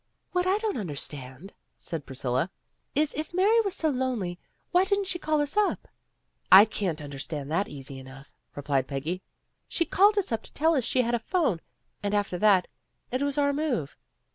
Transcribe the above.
"What I don't understand," said Priscilla, A TELEPHONE PARTY 33 "is if Mary was so lonely, why didn't she call us up ?" "I can understand that easy enough," replied Peggy. "She called us up to tell us >she had a phone, and after that, it was our move."